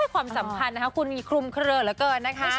ความสำคัญคุณคลุมเครือเหลือเหลือเกินนะคะ